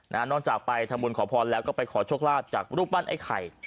นอกจากไปทำบุญขอพรแล้วก็ไปขอโชคลาภจากรูปปั้นไอ้ไข่